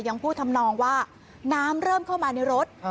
ยังพูดทำนองว่าน้ำเริ่มเข้ามาในรถ